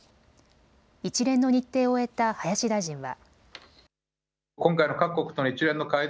一連の日程を終えた林大臣は。